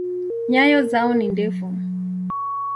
Nyayo zao ni ndefu.